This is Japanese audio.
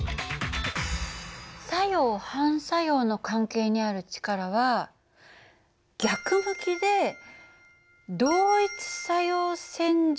作用・反作用の関係にある力は逆向きで同一作用線上にある。